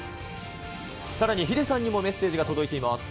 さらに、ヒデさんにもメッセージが届いています。